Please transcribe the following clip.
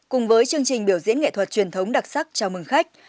cùng với chương trình biểu diễn nghệ thuật truyền thống đặc sắc chào mừng khách